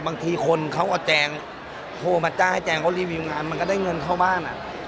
บางทีคนเขาเอาแจงโทรมาจ้างให้แจงเขารีวิวงานมันก็ได้เงินเข้าบ้าน